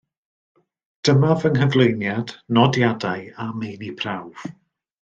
Dyma fy nghyflwyniad, nodiadau a meini prawf.